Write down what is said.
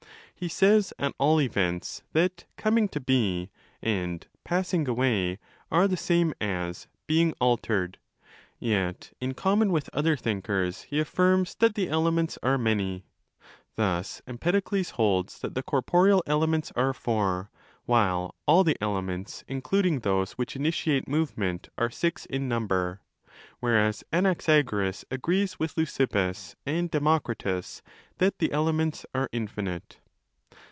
He says, at all events, that coming to be and passing away are the same as 'being altered':' yet, in common with other thinkers, he affirms that the elements are many. Thus Empedokles holds that the corporeal elements are four, while all the elements—including those which initiate movement—are six in number; whereas 1 Cf. fr. 17 (Diels, pp. 320 1). 645.18 B 5 Vv] 814. DE GENERATIONE ET CORRUPTIONE Anaxagoras agrees with Leukippos and Demokritos that the elements are infinite.